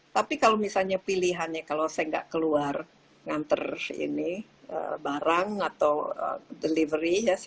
tapi kalau misalnya pilihannya kalau saya gak keluar ngantar ini barang atau delivery